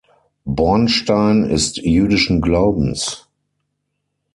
Bornstein ist jüdischen Glaubens.